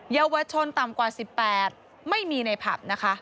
เยาวชนต่ำกว่า๑๘ไม่มีในผับนะคะ